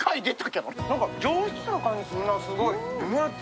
上質な感じするな、すごい。